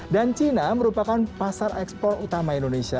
dan cina merupakan pasar ekspor utama indonesia